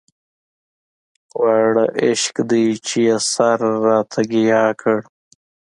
واړه عشق دی چې يې سر راته ګياه کړ